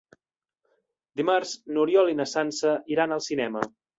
Dimarts n'Oriol i na Sança iran al cinema.